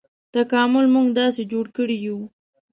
تکامل موږ داسې جوړ کړي یوو.